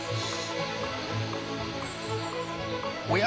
おや？